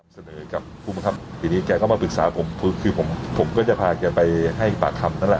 เสนอกับผู้บังคับทีนี้แกก็มาปรึกษาผมคือผมผมก็จะพาแกไปให้ปากคำนั่นแหละ